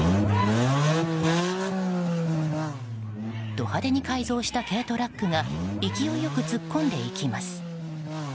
ド派手に改造した軽トラックが勢いよく突っ込んでいきます。